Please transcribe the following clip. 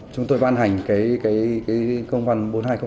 chúng tôi ban hành cái công văn bốn nghìn hai trăm linh hai